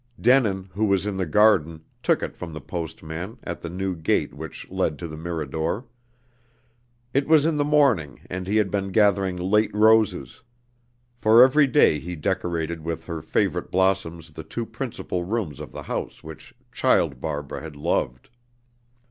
Denin, who was in the garden, took it from the postman, at the new gate which led to the Mirador. It was in the morning, and he had been gathering late roses; for every day he decorated with her favorite blossoms the two principal rooms of the house which child Barbara had loved.